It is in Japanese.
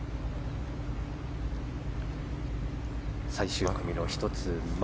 最終組の１つ前。